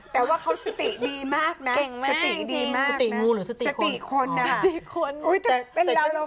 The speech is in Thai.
แต่ว่าเขาสติดีมากนะสติดีมากนะสติคนอ่ะสติงูหรือสติคนอ่ะสติคน